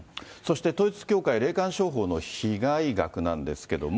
そして統一教会、霊感商法の被害額なんですけれども。